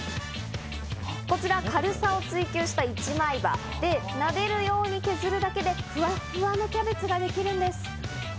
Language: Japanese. こちらは軽さを追求した１枚刃でなでるように削るだけで、ふわふわのキャベツができるんです。